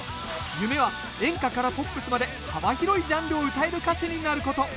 夢は演歌からポップスまで幅広いジャンルを歌える歌手になること。